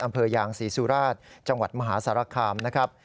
อำเภอยางศรีสุราชจังหวัดมหาสารคามนะครับ